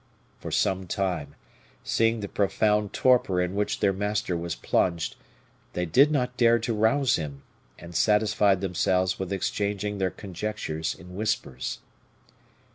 For some time, seeing the profound torpor in which their master was plunged, they did not dare to rouse him, and satisfied themselves with exchanging their conjectures in whispers.